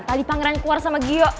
tadi pangeran keluar sama gio